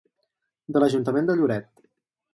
De l'Ajuntament de Lloret.